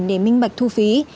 để minh bạch thu phí